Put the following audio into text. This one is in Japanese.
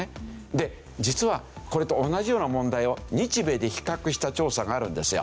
で実はこれと同じような問題を日米で比較した調査があるんですよ。